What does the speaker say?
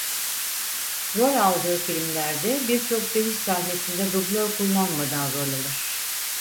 Rol aldığı filmlerde birçok dövüş sahnesinde dublör kullanmadan rol alır.